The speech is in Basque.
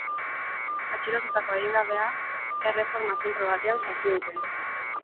Atxilotutako adingabea erreforma zentro batean sartu dute.